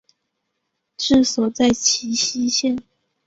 治所在齐熙县。